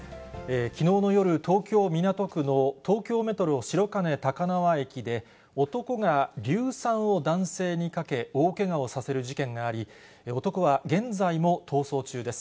きのうの夜、東京・港区の東京メトロ白金高輪駅で、男が硫酸を男性にかけ、大けがをさせる事件があり、男は現在も逃走中です。